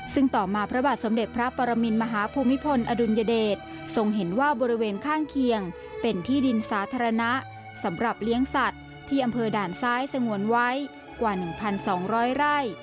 ซึ่งต่อมาพระบาทสมเด็จพระปรมินมหาภูมิพลอดุลยเดชทรงเห็นว่าบริเวณข้างเคียงเป็นที่ดินสาธารณะสำหรับเลี้ยงสัตว์ที่อำเภอด่านซ้ายสงวนไว้กว่า๑๒๐๐ไร่